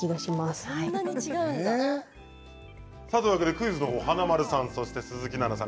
クイズは華丸さんと鈴木奈々さん